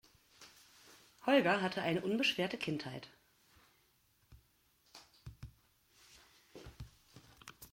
Holger hatte eine unbeschwerte Kindheit.